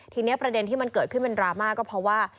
ทีนี้ประเด็นที่มันเกิดขึ้นเป็นดราม่าก็เพราะว่า